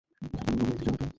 কিছুক্ষনের জন্য নিতে চাও এটা?